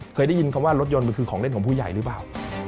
เคยได้ยินคำว่ารถยนต์มันคือของเล่นของผู้ใหญ่หรือเปล่า